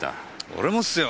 俺もっすよ。